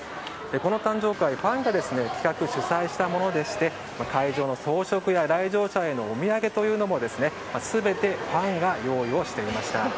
この誕生会、ファンが企画・主催したものでして会場の装飾や来場者へのお土産というのも全てファンが用意していました。